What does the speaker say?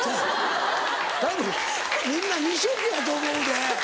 だけどみんな２食やと思うで。